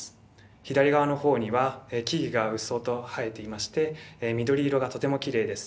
左側のほうには木々が鬱蒼と生えていまして緑色がとてもきれいです。